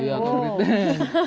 iya atau grid den